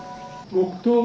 黙とう。